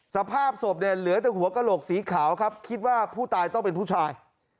สภาพศพเนี่ยเหลือแต่หัวกระโหลกสีขาวครับคิดว่าผู้ตายต้องเป็นผู้ชาย